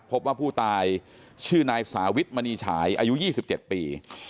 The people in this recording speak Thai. พบว่าผู้ตายชื่อนายสาวิทมณีฉายอายุ๒๗ปี